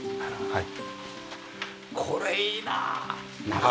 はい。